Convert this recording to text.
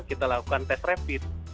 kita lakukan tes rapid